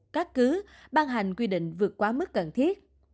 các cứ ban hành quy định vượt quá mức cần thiết